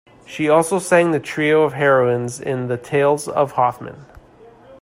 She also sang the trio of heroines in "The Tales of Hoffmann".